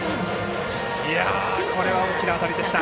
いや、これは大きな当たりでした。